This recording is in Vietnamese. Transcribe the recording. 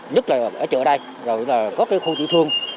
nhất là ở chợ đây rồi là có cái khu tiểu thương